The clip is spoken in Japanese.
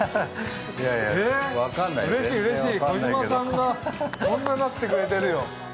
うれしい、うれしい、児嶋さんがこんななってくれてるよ。